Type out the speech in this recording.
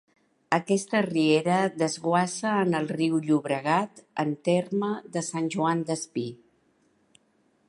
Aquesta riera desguassa en el riu Llobregat en terme de Sant Joan Despí.